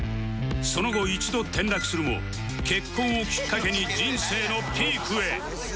その後一度転落するも結婚をきっかけに人生のピークへ